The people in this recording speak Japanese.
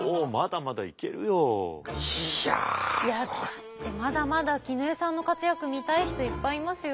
だってまだまだ絹枝さんの活躍見たい人いっぱいいますよ。